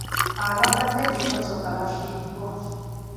Abaabadde mu mmotoka babbiddwa.